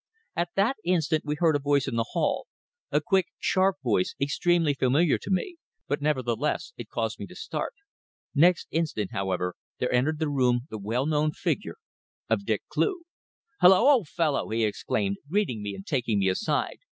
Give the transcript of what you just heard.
At that instant we heard a voice in the hall a quick, sharp voice extremely familiar to me, but nevertheless it caused me to start. Next instant, however, there entered the room the well known figure of Dick Cleugh. "Hulloa, old fellow!" he exclaimed, greeting me and taking me aside.